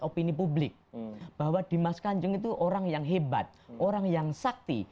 opini publik bahwa dimas kanjeng itu orang yang hebat orang yang sakti